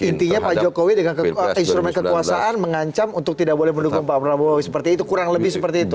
intinya pak jokowi dengan instrumen kekuasaan mengancam untuk tidak boleh mendukung pak prabowo seperti itu kurang lebih seperti itu